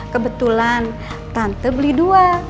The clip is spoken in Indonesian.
kebetulan tante beli dua